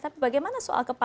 tapi bagaimana soal kepentingan